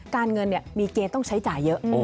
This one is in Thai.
การเงินมีเกณฑ์ต้องใช้จ่ายเยอะ